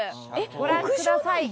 ご覧ください